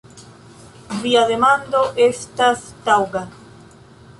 Via demando estas taŭga.